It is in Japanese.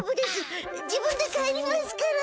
自分で帰りますから。